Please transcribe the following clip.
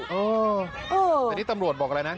อันนี้ตำรวจบอกอะไรนะ